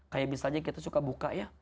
kayak misalnya kita suka buka ya